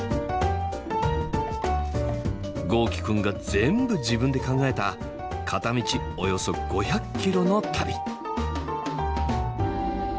豪輝くんが全部自分で考えた片道およそ５００キロの旅。